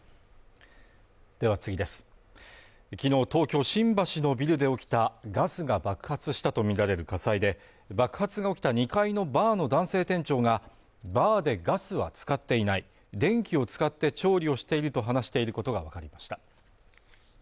昨日東京新橋のビルで起きたガスが爆発したとみられる火災で爆発が起きた２階のバーの男性店長が、バーでガスは使っていない電気を使って調理をしていると話していることがわかりました。